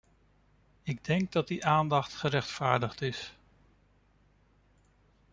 Ik denk dat die aandacht gerechtvaardigd is.